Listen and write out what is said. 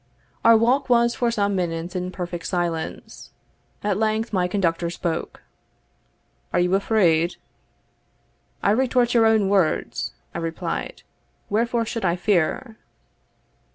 Our walk was for some minutes in perfect silence. At length my conductor spoke. "Are you afraid?" "I retort your own words," I replied: "wherefore should I fear?"